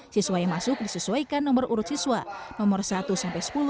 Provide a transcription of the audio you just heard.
siswa yang masuk disesuaikan nomor urut siswa nomor satu sampai sepuluh